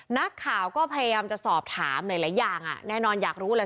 นักข่าวก็พยายามจะสอบถามหลายอย่างแน่นอนอยากรู้เลย